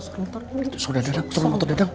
suara motor dadang suara motor dadang